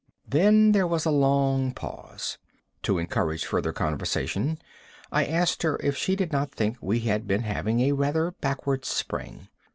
Then there was a long pause. To encourage further conversation I asked her if she did not think we had been having a rather backward spring.